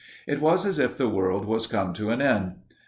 It was as if the world was come to an end.